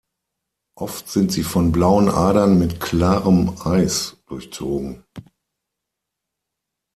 Oft sind sie von blauen Adern mit klarem Eis durchzogen.